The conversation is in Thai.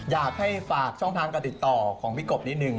อยากให้ฝากช่องทางการติดต่อของพี่กบนิดนึง